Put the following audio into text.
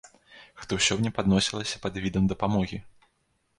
Гэта ўсё мне падносілася пад відам дапамогі.